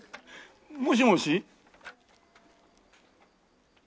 もしもし？